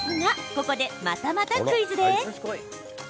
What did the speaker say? ここで、またまたクイズです。